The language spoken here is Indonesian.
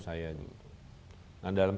saya nah dalam